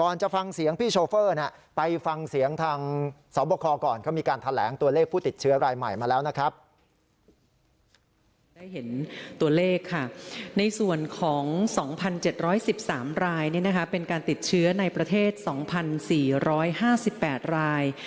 ๑๓รายเป็นการติดเชื้อในประเทศ๒๔๕๘ราย